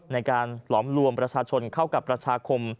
หลอมรวมประชาชนเข้ากับประชาคม